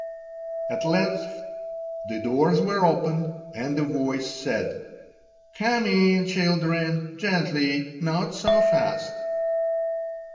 At length the doors were opened, and a voice said: "Come in, children; gently, not so fast!"